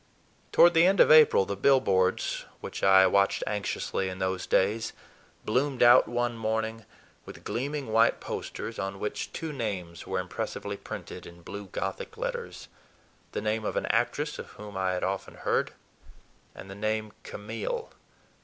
Toward the end of April, the billboards, which I watched anxiously in those days, bloomed out one morning with gleaming white posters on which two names were impressively printed in blue Gothic letters: the name of an actress of whom I had often heard, and the name "Camille."